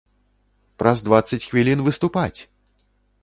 Праз дваццаць хвілін выступаць!